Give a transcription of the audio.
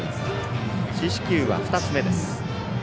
四死球は２つ目です。